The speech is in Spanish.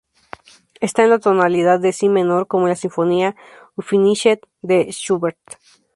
Está en la tonalidad de Si menor, como en la sinfonía "Unfinished"de Schubert.